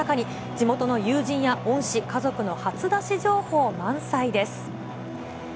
地元の友人や恩師、家族の初出し情報、満載です。